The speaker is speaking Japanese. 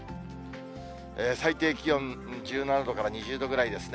最低気温１７度から２０度ぐらいですね。